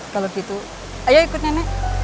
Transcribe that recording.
kalau gitu ayo ikut nenek